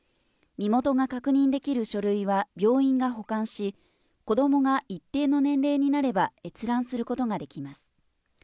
身元が確認できる書類は病院が保管し、子どもが一定の年齢になれば、閲覧することができます。